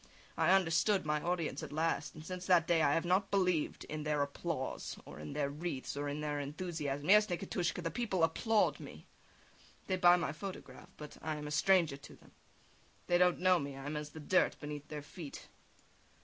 I understood my audience at last, and since that day I have not believed in their applause, or in their wreathes, or in their enthusiasm. Yes, Nikitushka! The people applaud me, they buy my photograph, but I am a stranger to them. They don't know me, I am as the dirt beneath their feet.